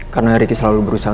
karena ricky selalu berusaha